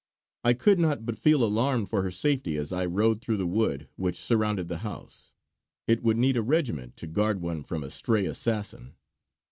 I could not but feel alarmed for her safety as I rode through the wood which surrounded the house. It would need a regiment to guard one from a stray assassin.